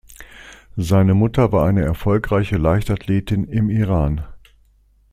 Seine Mutter war eine erfolgreiche Leichtathletin im Iran.